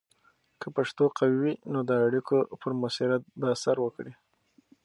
که پښتو قوي وي، نو د اړیکو پر مؤثریت به اثر وکړي.